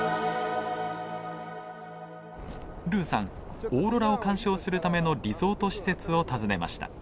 ルーさんオーロラを観賞するためのリゾート施設を訪ねました。